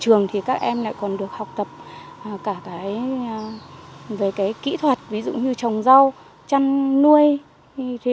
trường thì các em lại còn được học tập cả cái về cái kỹ thuật ví dụ như trồng rau chăn nuôi